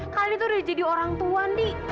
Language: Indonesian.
kalian itu udah jadi orang tua nih